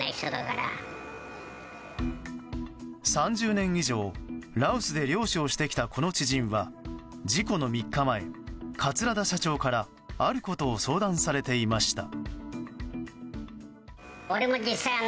３０年以上羅臼で漁師をしてきたこの知人は事故の３日前、桂田社長からあることを相談されていました。